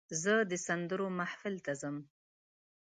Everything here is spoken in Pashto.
زه د سندرو محفل ته ځم.